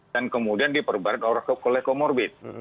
dan kemudian diperbarat oleh kolekomorbid